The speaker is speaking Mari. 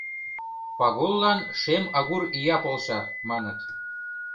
«Пагуллан Шем агур ия полша», — маныт.